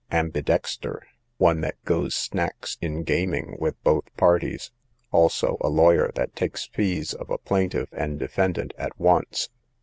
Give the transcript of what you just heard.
Ambi dexter, one that goes snacks in gaming with both parties; also a lawyer that takes fees of a plaintiff and defendant at once.